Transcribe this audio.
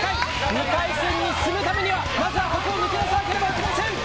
２回戦に進むためにはまずはここを抜け出さなければいけません。